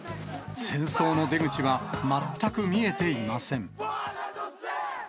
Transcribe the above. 戦争の出口は全く見えていません。